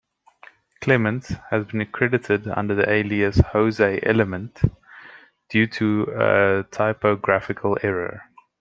Clements has been credited under the alias Jose Element, due to a typographical error.